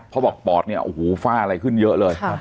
เพราะบอกปอดเนี่ยโอ้โหฝ้าอะไรขึ้นเยอะเลย